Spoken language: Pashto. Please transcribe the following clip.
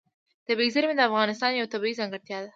طبیعي زیرمې د افغانستان یوه طبیعي ځانګړتیا ده.